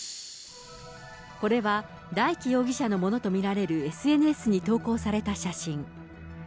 これは大祈容疑者のものと見られるＳＮＳに投稿された写真。